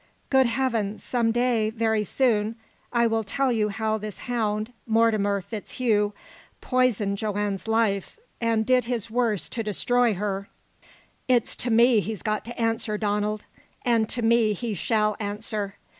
Good heaven, some day very soon I will tell you how this hound, Mortimer FitzHugh, poisoned Joanne's life, and did his worst to destroy her. It's to me he's got to answer, Donald. And to me he shall answer.